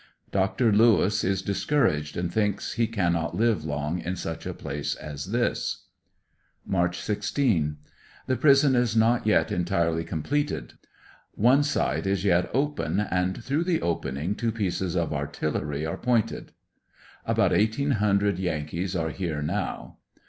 Dr. Lewis is discouraged and thinks he cannot live long in such a place as this. 42 ANDEBSONVILLE DIARY March 16, — The prison is not yet entirely completed. One side is yet open, and through the opening two pieces of artillery are pointed. About 1800 Yankees are here now.